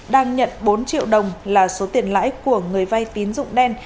đang nhận bốn triệu đồng là số tiền lãi của người vay tín dụng đen